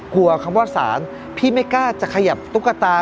กลัวคำว่าสารพี่ไม่กล้าจะขยับตุ๊กตา